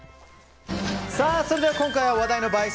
それでは今回は話題の映え